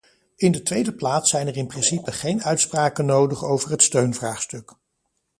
In de tweede plaats zijn er in principe geen uitspraken nodig over het steunvraagstuk.